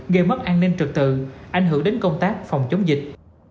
gây mất an ninh trực tự ảnh hưởng đến công tác phòng chống dịch